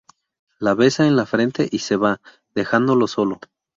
Le besa en la frente y se va, dejándolo solo.